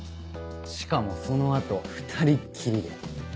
しかもその後２人きりで。